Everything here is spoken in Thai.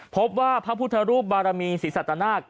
พบว่าพระพุทธรูปบารมีศรีสัตนาค